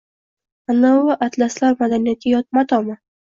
Anovi atlaslar madaniyatga yot matomi?